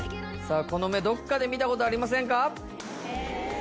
さぁこの目どっかで見たことありませんか？